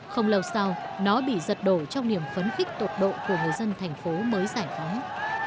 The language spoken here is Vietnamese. không lâu sau nó bị giật đổ trong niềm phấn khích tột độ của người dân thành phố mới giải phóng